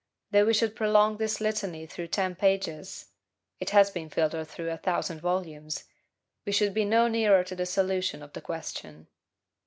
Though we should prolong this litany through ten pages (it has been filtered through a thousand volumes), we should be no nearer to the solution of the question.